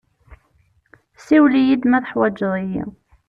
Siwel-iyi-d ma teḥwaǧeḍ-iyi.